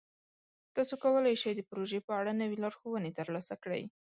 تاسو کولی شئ د پروژې په اړه نوې لارښوونې ترلاسه کړئ.